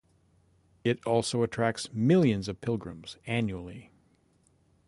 It also attracts millions of pilgrims annually.